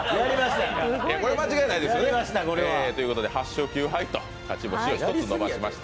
これ、間違いないですよね。ということで８勝９敗と勝ち星を１つ伸ばしました。